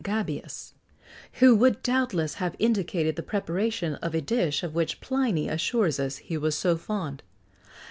Gabius, who would doubtless have indicated the preparation of a dish of which Pliny assures us he was so fond.